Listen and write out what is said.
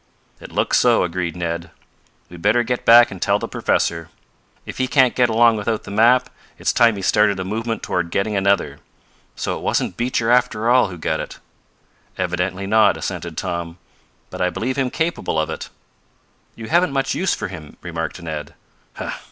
"It looks so," agreed Ned. "We'd better get back and tell the professor. It he can't get along without the map it's time he started a movement toward getting another. So it wasn't Beecher, after all, who got it." "Evidently not," assented Tom. "But I believe him capable of it." "You haven't much use for him," remarked Ned.